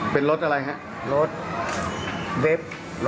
เป็นรถอะไรครับรถเว็บ๑๒๕